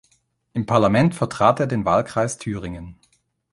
Im Parlament vertrat er den Wahlkreis Thüringen.